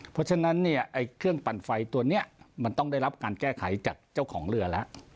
เพราะฉะนั้นเนี่ยเครื่องปั่นไฟตัวนี้มันต้องได้รับการแก้ไขจากเจ้าของเรือแล้ว